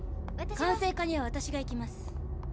管制課には私が行きます。